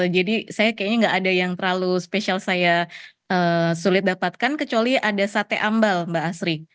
jadi saya kayaknya gak ada yang terlalu spesial saya sulit dapatkan kecuali ada sate ambal mbak asri